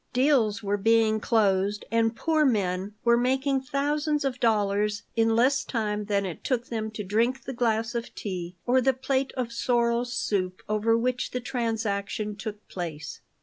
Deals were being closed, and poor men were making thousands of dollars in less time than it took them to drink the glass of tea or the plate of sorrel soup over which the transaction took place.